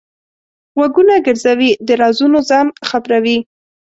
غوږونه ګرځوي؛ د رازونو ځان خبروي.